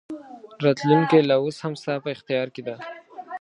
راتلونکې لا اوس هم ستا په اختیار کې ده.